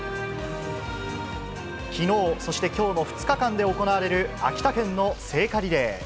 きのう、そしてきょうの２日間で行われる秋田県の聖火リレー。